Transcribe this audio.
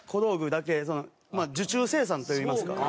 まあ受注生産といいますか。